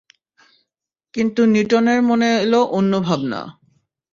কিন্তু নিউটনের মনে এলো অন্য ভাবনা।